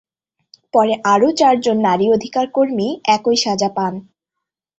পরে আরও চার জন নারী অধিকার কর্মী একই সাজা পান।